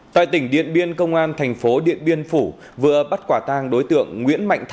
tại tỉnh điện biên công an thành phố điện biên phủ vừa bắt quả tang đối tượng nguyễn mạnh